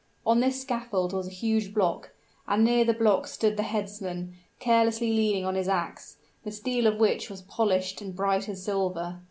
On this scaffold was a huge block: and near the block stood the headsman, carelessly leaning on his ax, the steel of which was polished and bright as silver.